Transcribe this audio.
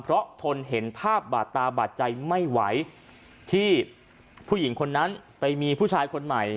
เพราะทนเห็นภาพบาดตาบาดใจไม่ไหวที่ผู้หญิงคนนั้นไปมีผู้ชายคนใหม่